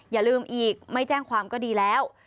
อย่าลืมอีกไม่แจ้งความก็ดีแล้ว